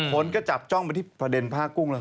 คนก็จับจ้องไปที่ประเด็นผ้ากุ้งแล้ว